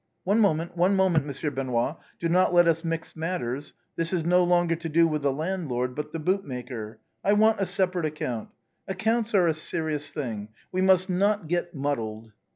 " One moment, one moment. Monsieur Benoît, do not let us mix matters, this is no longer to do with the land lord but the bootmaker. I want a separate account. Ac counts are a serious thing, we must not get muddled."